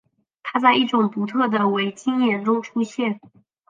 它在一种独特的伟晶岩中出现。